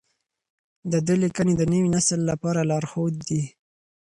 د ده لیکنې د نوي نسل لپاره لارښود دي.